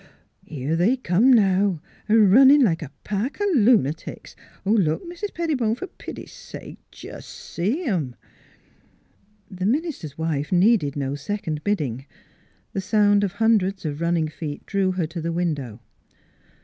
... Here they come now, a runnin' like a pack o' lun'tics! Look, Mis' Pettibone! fer pity sake, jes' see 'em! " The minister's wife needed no second bidding; the sound of hundreds of running feet drew her to the window.